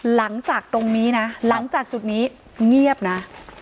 หลังจากตรงนี้นะหลังจากจุดนี้เงียบนะ